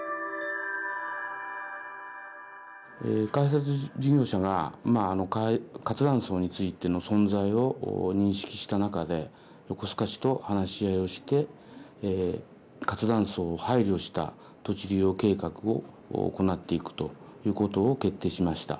開発事業者が活断層についての存在を認識した中で横須賀市と話し合いをして活断層を配慮した土地利用計画を行っていくということを決定しました。